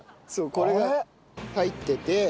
そうこれが入ってて。